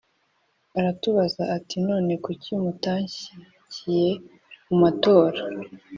Aratubaza ati none kuki mutanshyikiye mu matora